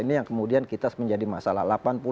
ini yang kemudian kita menjadi masalah